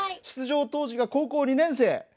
出場当時が高校２年生。